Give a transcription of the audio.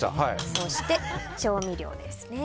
そして調味料ですね。